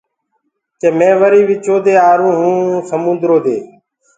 ڪي مي وري وِچو دي آرو هو سموندرو دي۔